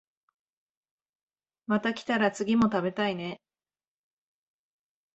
また来たら次も食べたいね